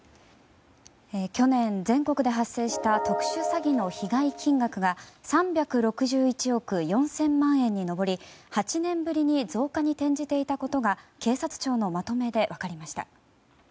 去年、全国で発生した特殊詐欺の被害金額が３６１億４０００万円に上り８年ぶりに増加に転じていたことが警察庁のまとめで分かりました。